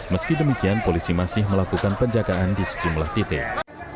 meski demikian polisi masih melakukan penjagaan di sejumlah titik